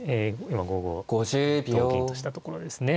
今５五同銀としたところですね。